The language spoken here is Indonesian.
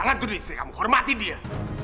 jangan tuduh istri kamu hormati dia